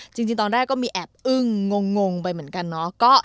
จริงตอนแรกก็มีแอบอึ้งงไปเหมือนกันเนาะ